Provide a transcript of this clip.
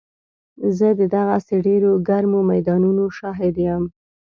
زه د دغسې ډېرو ګرمو میدانونو شاهد یم.